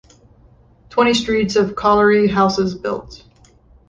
Twenty streets of colliery houses built.